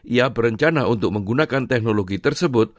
ia berencana untuk menggunakan teknologi tersebut